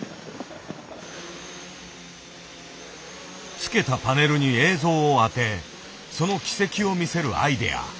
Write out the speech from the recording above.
付けたパネルに映像を当てその軌跡を見せるアイデア。